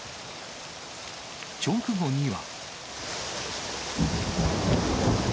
直後には。